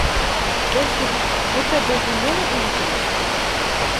Бәлки, бөтә был донъя ла һинекелер?